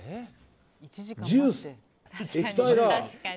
ジュース、液体だ。